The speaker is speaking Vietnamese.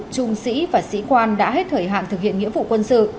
trung sĩ và sĩ quan đã hết thời hạn thực hiện nghĩa vụ quân sự